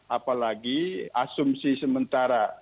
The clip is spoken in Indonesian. apalagi asumsi sementara